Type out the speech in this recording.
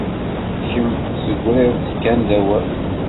Kemm tegriḍ-d kan d awal.